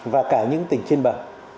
và cả những tỉnh trên bờ